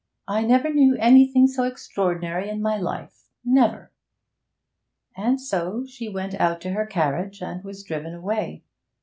I never knew anything so extraordinary in my life, never!' And so she went out to her carriage, and was driven away.